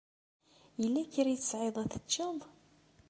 Yella kra ay tesɛiḍ ad t-tecceḍ?